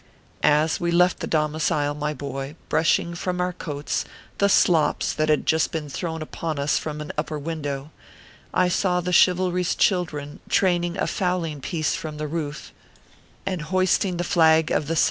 As we left the domicil, my boy, brushing from our coats the slops that had just been thrown upon us from an upper window, I saw the Chivalry s children training a fowling piecs from the roof, and hoisting ORPHEUS C.